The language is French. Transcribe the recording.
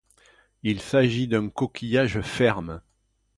Il s'agit d'un coquillage ferme.